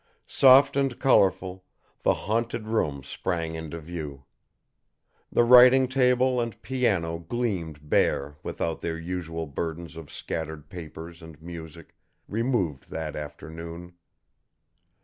Soft and colorful, the haunted room sprang into view. The writing table and piano gleamed bare without their usual burdens of scattered papers and music, removed that afternoon.